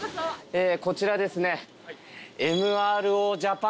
こちらですね。